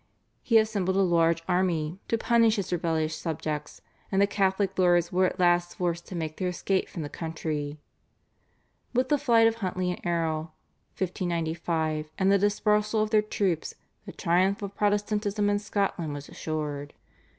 He assembled a large army to punish his rebellious subjects, and the Catholic lords were at last forced to make their escape from the country. With the flight of Huntly and Erroll (1595) and the dispersal of their troops the triumph of Protestantism in Scotland was assured.